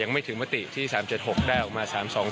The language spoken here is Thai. ไม่ถึงมติที่๓๗๖ได้ออกมา๓๒